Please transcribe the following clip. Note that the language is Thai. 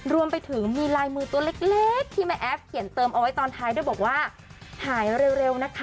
รวมไปถึงมีลายมือตัวเล็กที่แม่แอฟเขียนเติมเอาไว้ตอนท้ายด้วยบอกว่าหายเร็วนะคะ